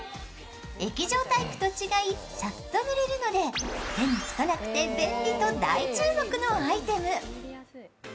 液状タイプと違い、サッと塗れるので手につかなくて便利と大注目のアイテム。